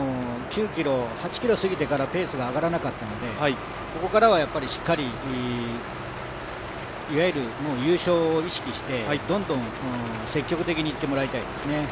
今、９ｋｍ、８ｋｍを過ぎてからペースが上がらなかったのでここからはしっかり、優勝を意識してどんどん積極的にいってもらいたいですね。